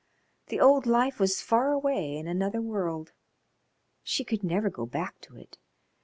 The old life was far away, in another world. She could never go back to it.